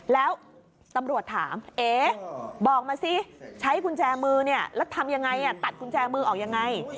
แล้วตำรวจถามเอ๊บอกมาสิใช้กุญแจมือเนี่ยแล้วทำยังไงตัดกุญแจมือออกยังไง